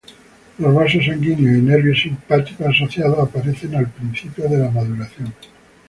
Los vasos sanguíneos y nervios simpáticos asociados, aparecen al principio de la maduración.